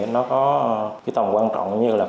nó có tầm quan trọng như là